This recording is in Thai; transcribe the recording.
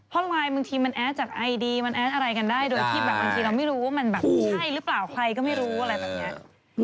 เพราะไลน์บางทีมันแอดจากไอดีมันแอดอะไรกันได้โดยที่แบบบางทีเราไม่รู้ว่ามันแบบใช่หรือเปล่าใครก็ไม่รู้อะไรแบบนี้